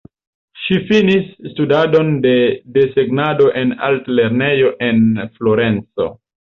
Ŝi finis studadon de desegnado en artlernejo en Florenco.